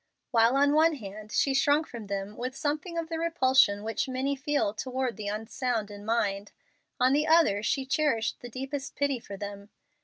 While on one hand she shrunk from them with something of the repulsion which many feel toward the unsound in mind, on the other she cherished the deepest pity for them.